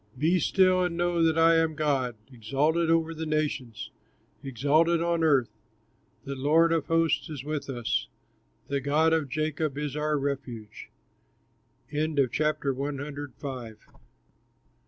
"Be still, and know that I am God, Exalted over the nations, exalted on earth." The Lord of hosts is with us, The God of Jacob is our refuge. THE JOY OF WORSHIPPING GOD Oh come,